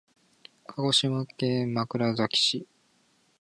鹿児島県枕崎市